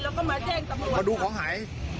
แล้วก็มาแจ้งตำรวจค่ะ